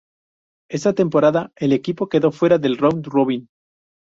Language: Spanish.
Esa temporada el equipo quedó fuera del Round Robin.